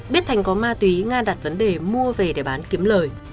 biết thành có ma túy nga đặt vấn đề mua về để bán kiếm lời